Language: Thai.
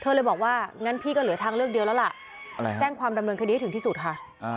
เลยบอกว่างั้นพี่ก็เหลือทางเลือกเดียวแล้วล่ะแจ้งความดำเนินคดีให้ถึงที่สุดค่ะ